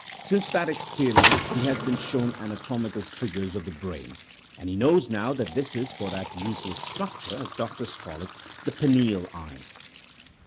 Since that experience he has been shown anatomical figures of the brain, and he knows now that this is that useless structure, as doctors call it, the pineal eye.